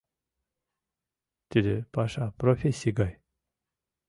Тиде паша профессий гай.